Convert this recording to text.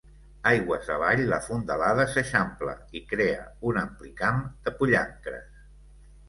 Aigües avall la fondalada s'eixampla i crea un ampli camp de pollancres.